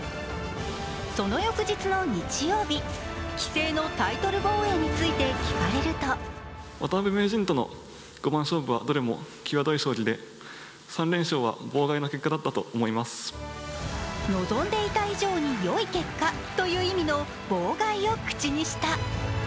その翌日の日曜日、棋聖のタイトル防衛について聞かれると望んでいた以上によい結果という意味の望外を口にした。